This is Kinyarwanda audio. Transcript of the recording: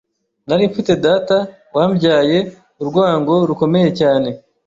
Nari mfite data wambyaye urwango rukomeye cyane,